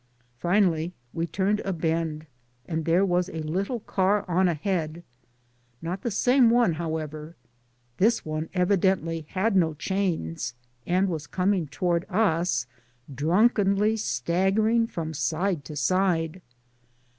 Finally we turned a bend and there was a little car on ahead. Not the same one however. This one evidently had no chains and was coming to ward us dnmkenly staggering from side to side.